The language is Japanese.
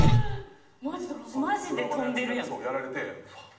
マジで飛んでるやん。